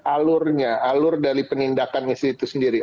alurnya alur dari penindakan misi itu sendiri